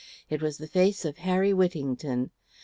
It was the face of Harry Whittington.